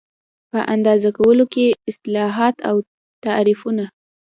په اندازه کولو کې اصطلاحات او تعریفونه